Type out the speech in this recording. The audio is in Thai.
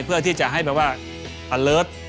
เพื่อที่จะให้แบบว่าอัลเลิศ